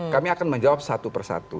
kami akan menjawab satu persatu